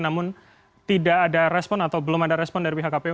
namun tidak ada respon atau belum ada respon dari pihak kpu